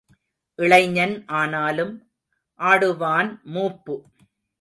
இளைஞன் ஆனாலும் ஆடுவான் மூப்பு.